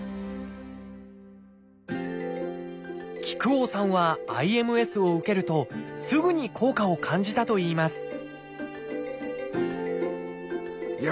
木久扇さんは「ＩＭＳ」を受けるとすぐに効果を感じたといいます